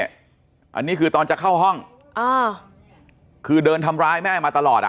อันนี้คือตอนจะเข้าห้องอ่าคือเดินทำร้ายแม่มาตลอดอ่ะ